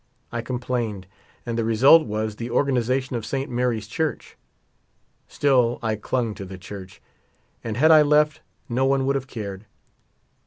I complained. And the result was the organization of Saint Mary's Church. Still I clung to the church. And had I left, no one would have cared.